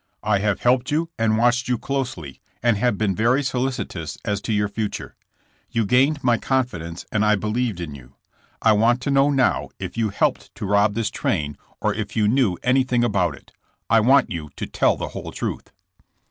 I have helped jou an«[ watched yon closel^fi, and have been very «olicitoui as to your fulmw. Tea gained my cooifidence and I believed in you. I want to know now if yoa IhBlped to rob this tuaiji or IN CONCI.tJSION. 187 if yon knew anything about it. I want you to tell the whole truth.'